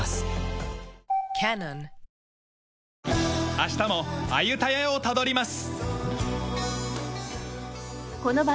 明日もアユタヤをたどります。